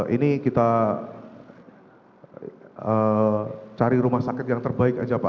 ini kita cari rumah sakit yang terbaik aja pak